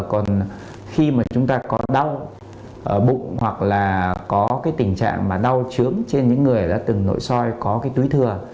còn khi mà chúng ta có đau bụng hoặc là có tình trạng đau trướng trên những người từng nội soi có túi thừa